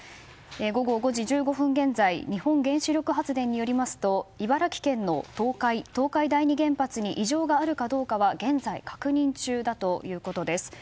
午後５時１５分現在日本原子力発電によりますと茨城県の東海東海第二原発に異常があるかどうかは現在確認中だということです。